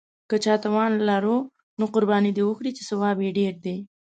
که چا توان لاره نو قرباني دې وکړي، چې ثواب یې ډېر دی.